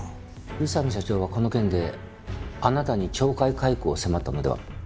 宇佐美社長はこの件であなたに懲戒解雇を迫ったのでは？